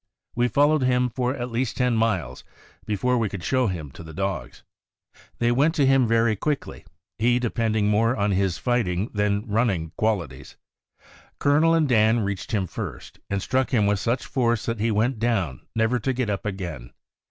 We fol lowed him for at least ten miles before we could show him to the dogs. They went to him very quickly, he depending more on his fighting than running qualities. Colonel and Dan reached him first, and struck him with such force that he went down never to get up again.